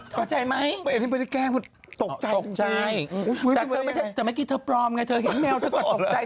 เข้าใจไหมตกใจจริงแต่เมื่อกี้เธอพร้อมเธอเห็นแมวเธอก็ตกใจ